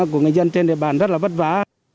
của người dân trên địa bàn rất là vất vả